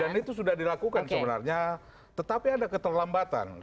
dan itu sudah dilakukan sebenarnya tetapi ada keterlambatan